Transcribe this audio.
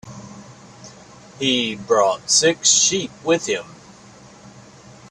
He brought six sheep with him.